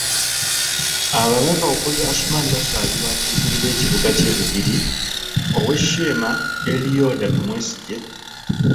Ababaka okuli Asuman Basalirwa akiikirira ekibuga ky'e Bugiri, owe' Sheema, Elioda Tumwesigye.